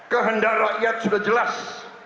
kehendak rakyat sudah jelas